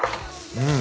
うん。